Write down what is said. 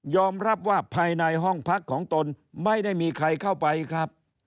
รับว่าภายในห้องพักของตนไม่ได้มีใครเข้าไปครับ